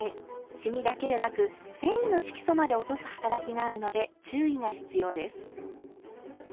シミだけでなく繊維の色素まで落とす働きがあるので注意が必要です。